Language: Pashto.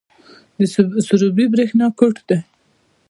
د سروبي بریښنا کوټ دی